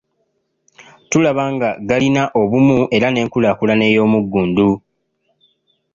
Tulaba nga galina obumu era n’enkulaakulana ey'omuggundu.